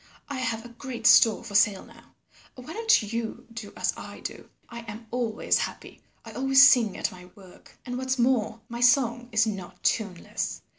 I have a great store for sale now. Why don't you do as I do? I am always happy. I always sing at my work, and what's more, my song is not tuneless.